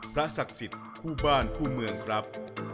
ศักดิ์สิทธิ์คู่บ้านคู่เมืองครับ